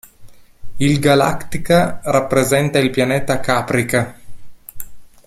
Il "Galactica" rappresenta il pianeta Caprica.